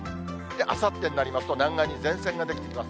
あさってになりますと、南岸に前線が出来てきます。